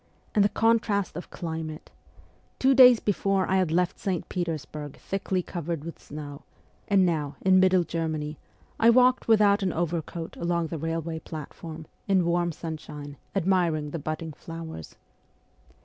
And the contrast of climate ! Two days before I had left St. Petersburg thickly covered with snow, and now, in Middle Germany, I walked without an overcoat along the railway platform, in warm sunshine, admiring the budding flowers.